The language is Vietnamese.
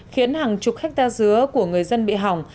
khiến hàng chục hectare dứa của người dân bị hỏng